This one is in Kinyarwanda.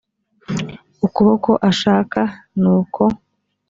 ukuboko ashaka ni uko